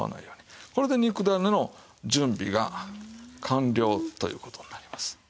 これで肉だねの準備が完了という事になります。